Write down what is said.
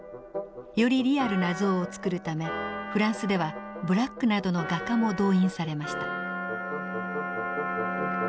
よりリアルな像を作るためフランスではブラックなどの画家も動員されました。